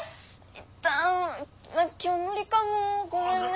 イッタ今日無理かもごめんね。